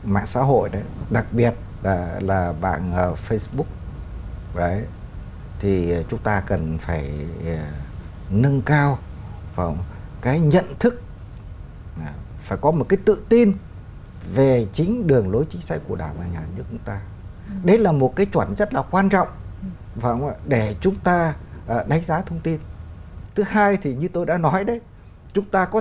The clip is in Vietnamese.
mạng xã hội đặc biệt là bảng facebook thì chúng ta cần phải nâng cao cái nhận thức phải có một cái tự tin về chính đường lối chính xác của đảng và nhà như chúng ta